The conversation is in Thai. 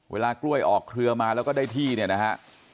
เวลากล้วยออกเครือมาแล้วก็ได้ที่เนี่ยนะฮะ